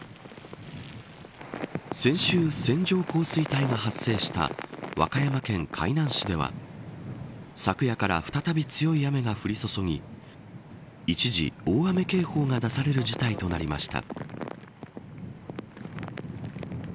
先週、線状降水帯が発生した和歌山県海南市では昨夜から再び強い雨が降り注ぎ一時、大雨警報が出される事態となりました。